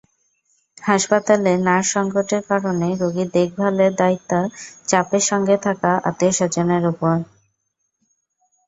হাসপাতালে নার্স–সংকটের কারণে রোগীর দেখভালের দায়িত্ব চাপে সঙ্গে থাকা আত্মীয়স্বজনের ওপর।